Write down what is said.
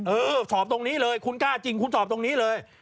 เออสอบตรงนี้เลยคุณกล้าจริงคุณสอบตรงนี้เลย